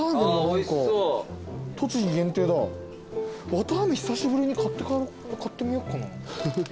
綿あめ久しぶりに買ってみようかな。